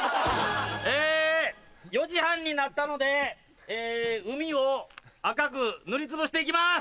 え４時半になったので海を赤く塗りつぶして行きます。